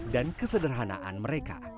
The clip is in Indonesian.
dan kesederhanaan mereka